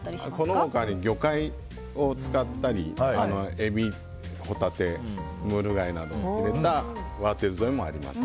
この他に魚介を使ったりエビ、ホタテ、ムール貝などを入れたワーテルゾイもあります。